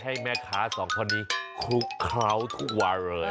ให้แม่ค้าสองคนนี้คลุกเคล้าทุกวันเลย